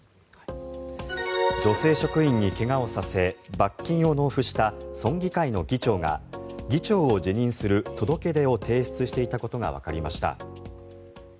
女性職員に怪我をさせ罰金を納付した村議会の議長が議長を辞任する届け出を提出していたことがわかりました。